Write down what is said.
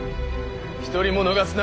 一人も逃すな。